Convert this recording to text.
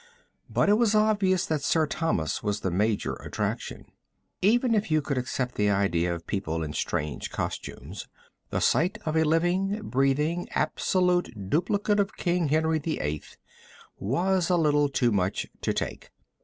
But it was obvious that Sir Thomas was the major attraction. Even if you could accept the idea of people in strange costumes, the sight of a living, breathing absolute duplicate of King Henry VIII was a little too much to take.